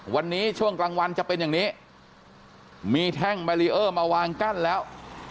วันนี้ช่วงกลางวันจะเป็นอย่างนี้มีแท่งแบรีเออร์มาวางกั้นแล้ว